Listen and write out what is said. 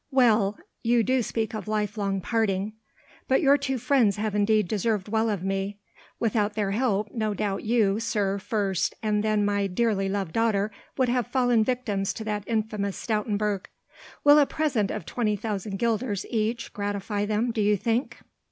"Well! you do speak of lifelong parting. But your two friends have indeed deserved well of me. Without their help no doubt you, sir, first and then my dearly loved daughter would have fallen victims to that infamous Stoutenburg. Will a present of twenty thousand guilders each gratify them, do you think?"